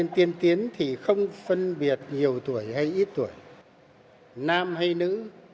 thì không phân biệt nhiều tuổi hay ít tuổi nam hay nữ